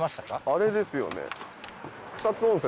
あれですよね。